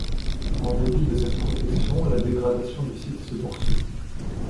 En dépit de cette protection la dégradation du site se poursuit.